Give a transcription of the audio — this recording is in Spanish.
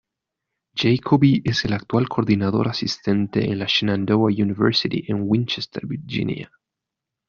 Jacoby es el actual coordinador asistente en la Shenandoah University en Winchester, Virginia.